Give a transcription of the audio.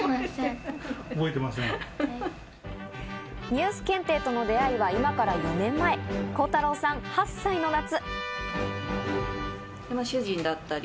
ニュース検定との出合いは今から４年前、孝太朗さん８歳の夏。